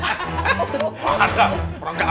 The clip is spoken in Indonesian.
parah juga ustaz ya